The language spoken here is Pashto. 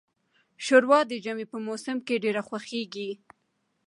شوروا د ژمي په موسم کې ډیره خوښیږي.